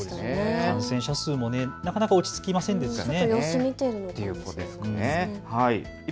感染者数もなかなか落ち着きませんからね。